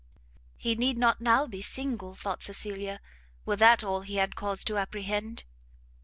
He need not now be single, thought Cecilia, were that all he had cause to apprehend!